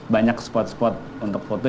banyak spot spot untuk foto